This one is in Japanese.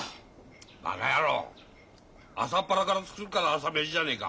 バカヤロー朝っぱらから作るから朝飯じゃねえか。